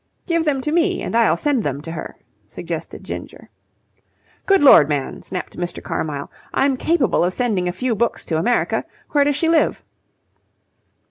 "Give them to me and I'll send them to her," suggested Ginger. "Good Lord, man!" snapped Mr. Carmyle. "I'm capable of sending a few books to America. Where does she live?"